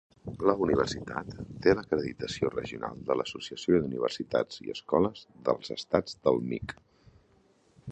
La universitat té l'acreditació regional de l'Associació d'Universitats i Escoles dels Estats del Mig.